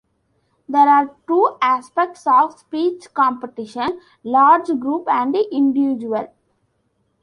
There are two aspects of speech competition: large group and individual.